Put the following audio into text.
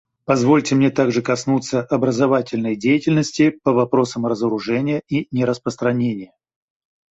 Позвольте мне также коснуться образовательной деятельности по вопросам разоружения и нераспространения.